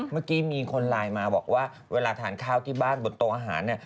เมื่อกี้มีคนไลน์มาบอกว่าเวลาทานข้าวที่บ้านบนโต๊ะอาหารเนี่ย